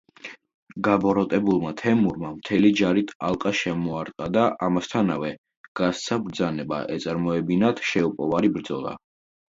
გაბოროტებულმა თემურმა მთელი ჯარით ალყა შემოარტყა და ამასთანავე, გასცა ბრძანება ეწარმოებინათ შეუპოვარი ბრძოლა.